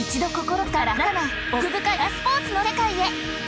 奥深いパラスポーツの世界へ。